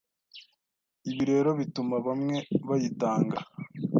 Ibi rero bituma bamwe bayitanga